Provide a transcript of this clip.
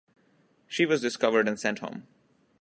She was discovered and sent home.